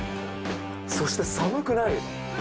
そして寒くない。